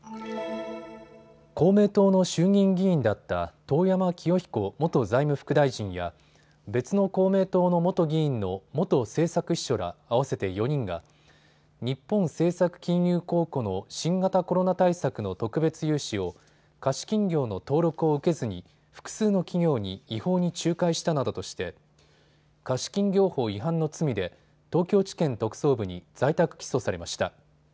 公明党の衆議院議員だった遠山清彦元財務副大臣や別の公明党の元議員の元政策秘書ら合わせて４人が日本政策金融公庫の新型コロナ対策の特別融資を貸金業の登録を受けずに複数の企業に違法に仲介したなどとして貸金業法違反の罪で東京地検特捜部に在宅起訴されました。